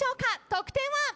得点は？